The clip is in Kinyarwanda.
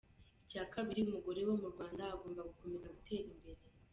Icya kabiri, umugore wo mu Rwanda agomba gukomeza gutera imbere.